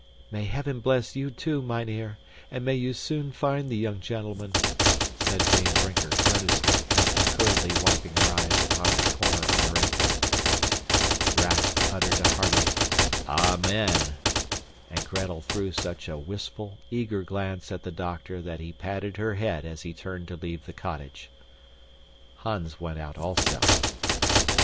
"May Heaven bless you, too, mynheer, and may you soon find the young gentleman," said Dame Brinker earnestly, after hurriedly wiping her eyes upon the corner of her apron. Raff uttered a hearty, "Amen!" and Gretel threw such a wistful, eager glance at the doctor that he patted her head as he turned to leave the cottage. Hans went out also.